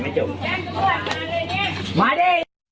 พี่หวานไร